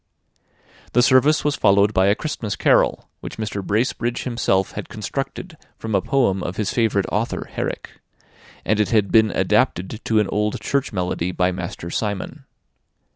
The service was followed by a Christmas carol, which Mr. Bracebridge himself had constructed from a poem of his favourite author, Herrick; and it had been adapted to an old church melody by Master Simon.